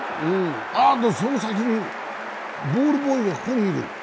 あっと、その先にボールボーイがここにいる。